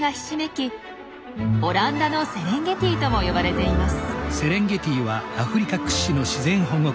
「オランダのセレンゲティ」とも呼ばれています。